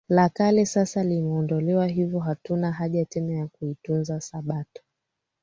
la kale sasa limeondolewa hivyo hatuna haja tena ya kuitunza Sabato